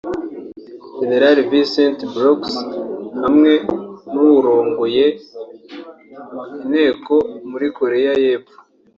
Jenerali Vincent Brooks hamwe n'uwurongoye inteko muri Korea Yepfo